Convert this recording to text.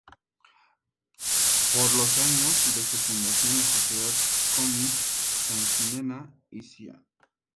Por los años de su fundación, la Sociedad Coni, Sansinena y Cía.